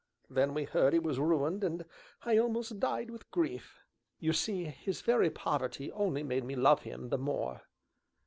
Then we heard he was ruined, and I almost died with grief you see, his very poverty only made me love him the more.